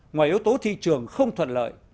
ngoài yếu tố thị trường không thuận lợi